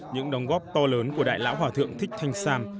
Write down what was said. những đóng góp to lớn của đại lão hòa thượng thích thanh sam